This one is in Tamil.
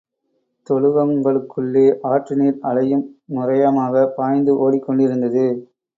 தோழுவங்களுக்குள்ளே ஆற்று நீர் அலையும் நுரையமாகப் பாய்ந்து ஓடிக் கொண்டிருந்தது!